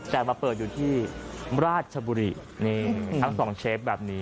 แต่มาเปิดอยู่ที่ราชบุรีนี่ทั้งสองเชฟแบบนี้